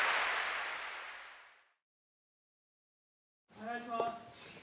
・お願いします！